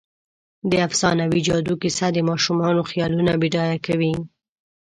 د افسانوي جادو کیسه د ماشومانو خیالونه بډایه کوي.